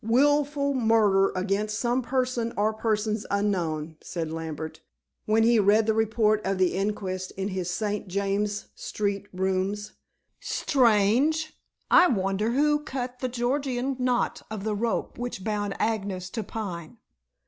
"Wilful murder against some person or persons unknown," said Lambert, when he read the report of the inquest in his St. James's Street rooms. "Strange. I wonder who cut the Gordian knot of the rope which bound Agnes to Pine?"